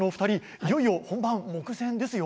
いよいよ、本番目前ですよ。